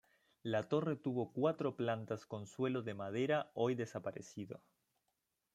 La torre tuvo cuatro plantas con suelo de madera hoy desaparecido.